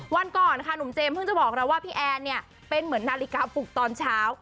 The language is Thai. วันก่อนค่ะหนุ่มเจมสเพิ่งจะบอกเราว่าพี่แอนเนี่ยเป็นเหมือนนาฬิกาปลุกตอนเช้า